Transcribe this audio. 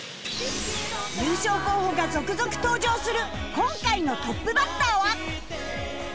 優勝候補が続々登場する今回のトップバッターは？